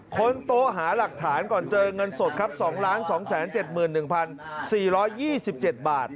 คนโต๊ะหาหลักฐานก่อนเจอเงินสดครับ๒๒๗๑๔๒๗บาท